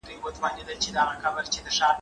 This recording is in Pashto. زه سپينکۍ نه پرېولم؟!